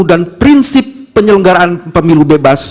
dan prinsip penyelenggaraan pemilu bebas